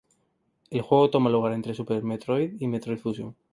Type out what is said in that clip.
El juego toma lugar entre Super Metroid y Metroid Fusion.